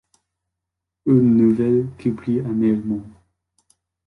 Une nouvelle qu’il prit amèrement.